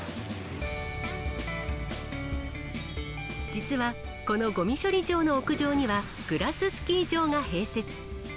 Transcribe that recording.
実は、このごみ処理場の屋上には、グラススキー場が併設。